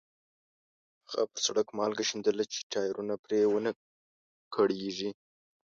هغه پر سړک مالګه شیندله چې ټایرونه پرې ونه کړېږي.